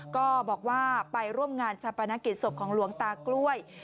ก็บอกว่าไปร่วมงานชาปนกิจศพของหลวงตากล้วย